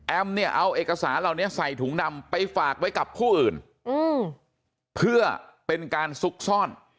เนี่ยเอาเอกสารเหล่านี้ใส่ถุงดำไปฝากไว้กับผู้อื่นเพื่อเป็นการซุกซ่อน